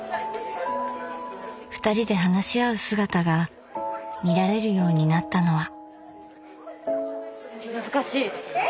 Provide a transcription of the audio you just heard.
ふたりで話し合う姿が見られるようになったのは。